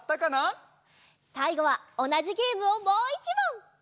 さいごはおなじゲームをもう１もん！